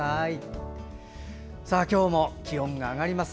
今日も気温が上がります。